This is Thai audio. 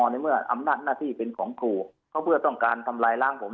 ในเมื่ออำนาจหน้าที่เป็นของครูเขาเพื่อต้องการทำลายล้างผม